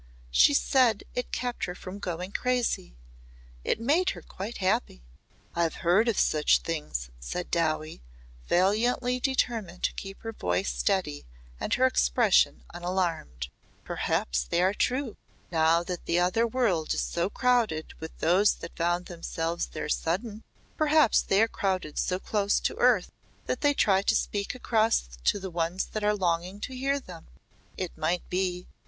She said it kept her from going crazy. It made her quite happy." "I've heard of such things," said Dowie, valiantly determined to keep her voice steady and her expression unalarmed. "Perhaps they are true. Now that the other world is so crowded with those that found themselves there sudden perhaps they are crowded so close to earth that they try to speak across to the ones that are longing to hear them. It might be.